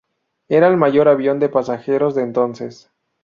Era el mayor avión de pasajeros de entonces.